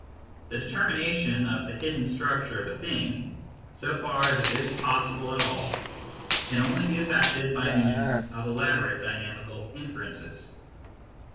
The determination of the hidden structure of a thing, so far as it is possible at all, can only be effected by means of elaborate dynamical inferences.